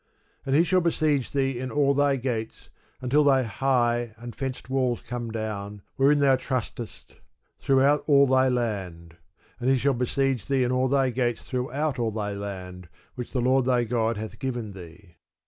And he shall besiege thee in all thy gates, until thy high and fenced walls come down, wherein thou trustedst, throughout all thy land: and he shall besiege thee in all thy gates throughout all thy land, which the Lord thy God hath given thee.